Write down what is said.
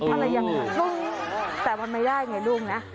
อะไรอย่างนั้นแต่มันไม่ได้ไงลูกนะ